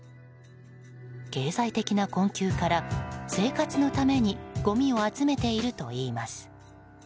経済的な困窮から生活のためにごみを集めているといいます。